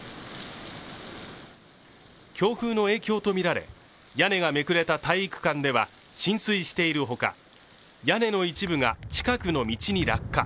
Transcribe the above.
強風の影響とみられ、屋根がめくれた体育館では浸水しているほか、屋根の一部が近くの道に落下。